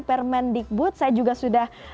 permendikbud saya juga sudah